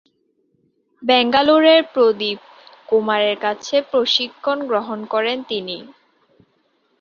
ব্যাঙ্গালোরের প্রদীপ কুমারের কাছে প্রশিক্ষণ গ্রহণ করেন তিনি।